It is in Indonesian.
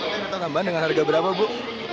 ada tambahan dengan harga berapa bu